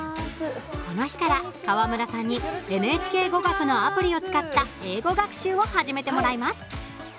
この日から川村さんに「ＮＨＫゴガク」のアプリを使った英語学習を始めてもらいます。